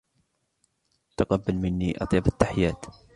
تقبل مني أطيب التحيات.